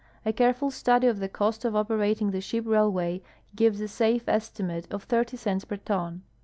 A careful study of the cost of operating the ship railway gives a safe estimate of 30 cents per ton.